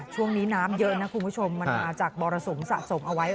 ช่วงนี้น้ำเยอะนะคุณผู้ชมมันมาจากมรสุมสะสมเอาไว้